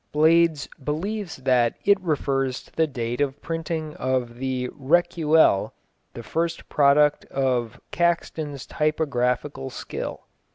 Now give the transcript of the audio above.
Blades believes that it refers to the date of printing of The Recuyell, the first product of Caxton's typographical skill.